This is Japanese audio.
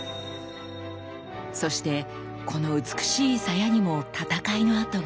そしてこの美しい鞘にも戦いの跡が。